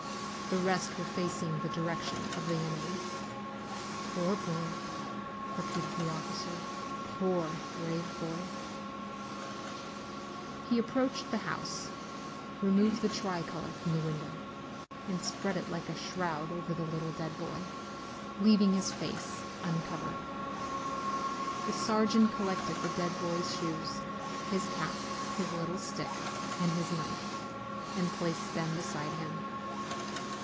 The rest were facing the direction of the enemy. "Poor boy!" repeated the officer. "Poor, brave boy !" He approached the house, removed the tricolor from the window, and spread it like a shroud over the little dead boy, leaving his face uncovered. The sergeant collected the dead boy's shoes, his cap, his little stick, and his knife, and placed them beside him.